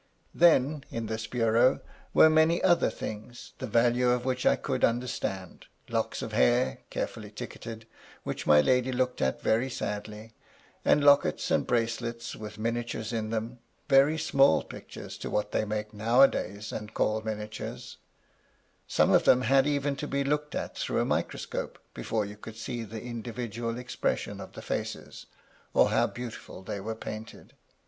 Then, in this bureau, were many other things, the value of which I could understand— locks of hair carefully ticketed, which my lady looked at very sadly ; and lockets and bracelets with miniatures in them, — very small pictures to what they make now a days, and MY LADY LUDLOW. 69 call miniatures ; some of them had even to be looked at through a microscope before you could see the indi vidual expression of the faces, or how beautifully they were painted.